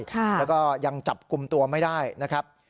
แล้วก็ยังจับกลุ่มตัวไม่ได้นะครับ